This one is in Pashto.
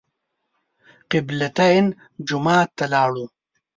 قبله تین جومات ته لاړو.